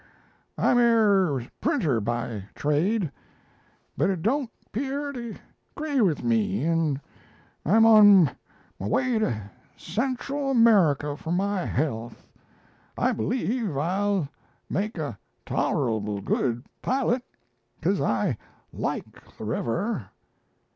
I'm er printer by trade, but it don't 'pear to 'gree with me, and I'm on my way to Central America for my health. I believe I'll make a tolerable good pilot, 'cause I like the river.'